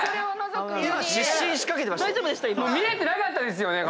見れてなかったですよね。